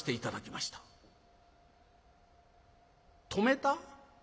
「止めた？